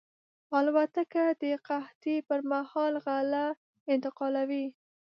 الوتکه د قحطۍ پر مهال غله انتقالوي.